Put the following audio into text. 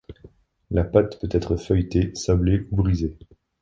La pâte peut être feuilletée, sablée ou brisée.